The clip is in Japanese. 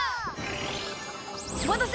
おまたせ！